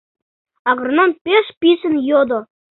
— агроном пеш писын йодо.